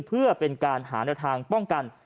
เพื่อเป็นการหาแนวทางป้องกัน